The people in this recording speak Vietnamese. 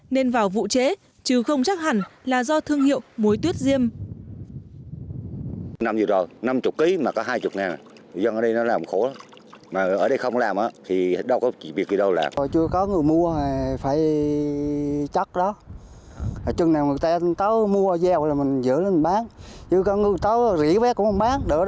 nên vào vụ chế chứ không chắc hẳn là do thương hiệu muối tuyết diêm